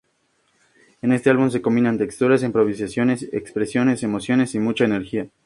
En este álbum se combinan, texturas, improvisaciones, expresiones, emociones y mucha energía.